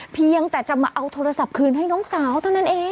เพียงแต่จะมาเอาโทรศัพท์คืนให้น้องสาวเท่านั้นเอง